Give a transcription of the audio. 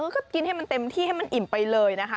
ก็กินให้มันเต็มที่ให้มันอิ่มไปเลยนะคะ